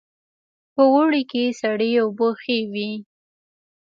په اوړي کې سړې اوبه ښې وي